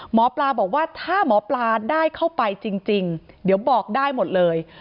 หมอปลาบอกว่าถ้าหมอปลาได้เข้าไปจริงเดี๋ยวบอกได้หมดเลย